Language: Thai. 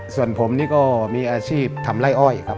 ส่วนผมดีก็มีอาชีพทำไร้อ้อย